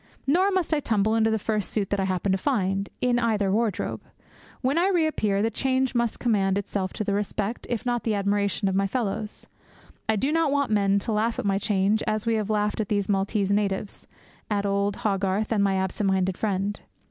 Nor must I tumble into the first suit that I happen to find in either wardrobe. When I reappear, the change must commend itself to the respect, if not the admiration, of my fellows. I do not want men to laugh at my change as we have laughed at these Maltese natives, at old Hogarth, and at my absent minded friend.